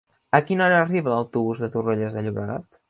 A quina hora arriba l'autobús de Torrelles de Llobregat?